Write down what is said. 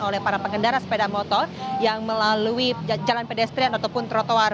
oleh para pengendara sepeda motor yang melalui jalan pedestrian ataupun trotoar